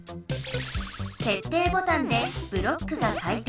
けっていボタンでブロックが回転。